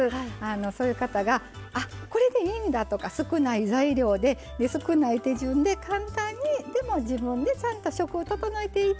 そういう方が「あこれでいいんだ」とか少ない材料で少ない手順で簡単にでも自分でちゃんと食をととのえていける。